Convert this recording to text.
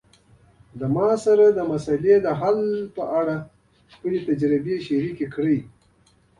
ما سره د دې مسئلې د حل په اړه خپلي تجربي شریکي کړئ